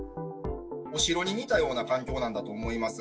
お城に似たような環境なんだと思います。